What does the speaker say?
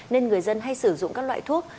nên người dân hay sử dụng các loại thuốc